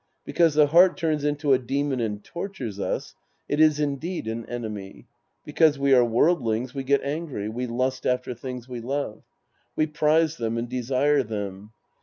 Because the heart turns into a demon and tortures us, it is indeed an enemy. Because we are worldlings, we get angry, we lust after things we love. We prize them and desire them.